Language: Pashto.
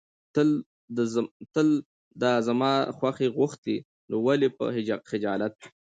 تل د زما خوښي غوښتې، نو ولې به خجالت وې.